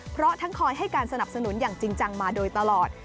เพราะทั้งคอยให้การสนับสนุนอย่างจริงจังมาโดยตลอด